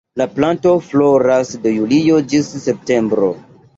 La planto floras de julio ĝis septembro.